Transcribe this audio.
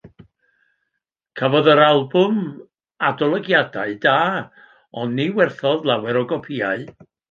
Cafodd yr albwm adolygiadau da ond ni werthodd lawer o gopïau.